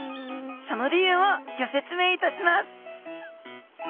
その理由をギョ説明いたします